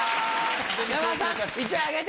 山田さん１枚あげて。